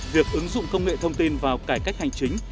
việc ứng dụng công nghệ thông tin vào cải cách hành chính